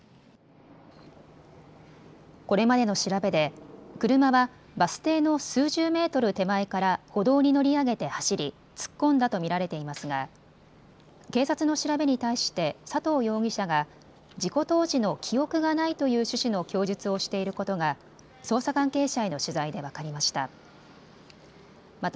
これまでの調べで車はバス停の数十メートル手前から歩道に乗り上げて走り突っ込んだと見られていますが警察の調べに対して佐藤容疑者が事故当時の記憶がないという趣旨の供述をしていることが捜査関係者への取材で分かりました。